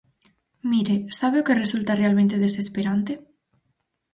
Mire, ¿sabe o que resulta realmente desesperante?